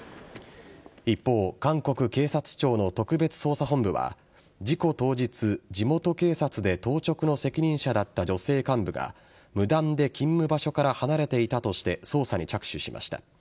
一方、韓国警察庁の特別捜査本部は事故当日、地元警察で当直の責任者だった女性幹部が無断で勤務場所から離れていたとして捜査に着手しました。